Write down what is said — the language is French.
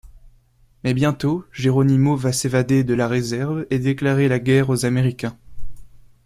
Mais bientôt Geronimo va s'évader de la réserve et déclarer la guerre aux Américains...